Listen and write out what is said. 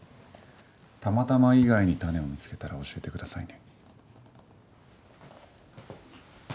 「たまたま」以外にタネを見つけたら教えてくださいね。